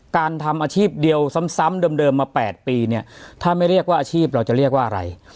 การทำอาชีพเดียวซ้ำเดิมมา๘ปีเนี่ยถ้าไม่เรียกว่าอาชีพเราจะเรียกว่าอะไร